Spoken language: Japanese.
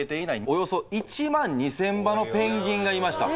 およそ１万２千羽のペンギンがいました。